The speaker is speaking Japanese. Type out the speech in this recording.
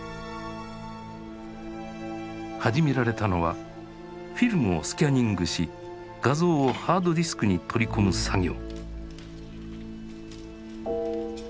始められたのはフィルムをスキャニングし画像をハードディスクに取り込む作業。